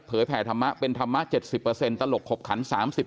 แผ่ธรรมะเป็นธรรมะ๗๐ตลกขบขัน๓๐